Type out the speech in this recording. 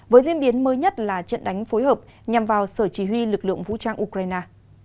với diễn biến mới nhất là trận đánh phối hợp nhằm vào sở chỉ huy lực lượng vũ trang ukraine